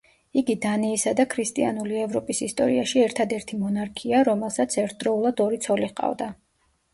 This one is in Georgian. იგი დანიისა და ქრისტიანული ევროპის ისტორიაში ერთადერთი მონარქია, რომელსაც ერთდროულად ორი ცოლი ჰყავდა.